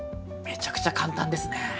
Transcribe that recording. めちゃくちゃ簡単ですね。